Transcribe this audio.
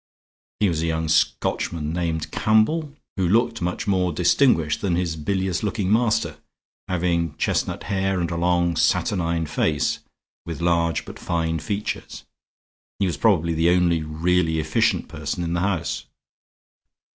He was a young Scotchman named Campbell, who looked much more distinguished than his bilious looking master, having chestnut hair and a long saturnine face with large but fine features. He was probably the one really efficient person in the house.